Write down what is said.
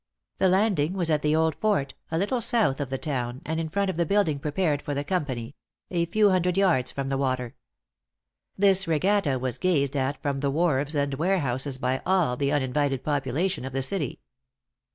The landing was at the Old Fort, a little south of the town, and in front of the building prepared for the company a few hundred yards from the water. This regatta was gazed at from the wharves and warehouses by all the uninvited population of the city.